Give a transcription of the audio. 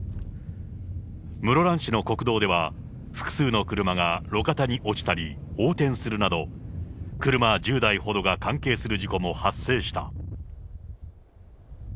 室蘭市の国道では、複数の車が路肩に落ちたり、横転するなど、車１０台ほどが関係する事故も発生した。